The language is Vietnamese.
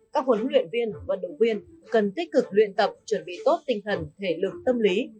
các huấn luyện viên vận động viên cần tích cực luyện tập chuẩn bị tốt tinh thần thể lực tâm lý